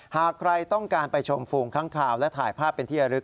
หากใครต้องการไปชมฟูงค้างคาวและถ่ายภาพเป็นที่ระลึก